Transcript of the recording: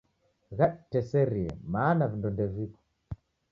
Ghaditeserie mana vindo ndeviko.